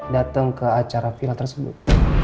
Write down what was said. datang ke acara final tersebut